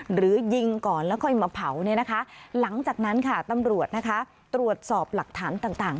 หรือยิงก่อนแล้วก็มาเผาหลังจากนั้นตำรวจตรวจสอบหลักฐานต่าง